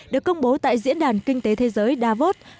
được công bố tại diễn đàn kinh tế thế giới davos